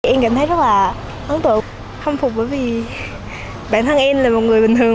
em cảm thấy rất là ấn tượng hâm phục bởi vì bản thân em là một người bình thường